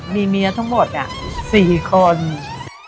หัวเมียอย่างนี้